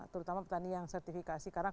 terutama petani yang sertifikasi karena